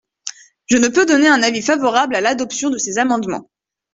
Je ne peux donner un avis favorable à l’adoption de ces amendements.